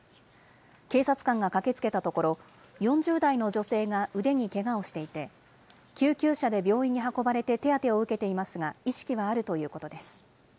警察官が駆けつけたところ、４０代の女性が腕にけがをしていて、救急車で病院に運ばれて手当てを受けていますが、意識はあるということです。